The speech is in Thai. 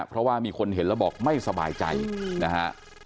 เพราะว่ามีคนเห็นแล้วบอกไม่สบายใจนะฮะ